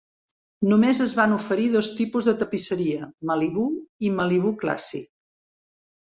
Només es van oferir dos tipus de tapisseria: Malibu i Malibu Classic.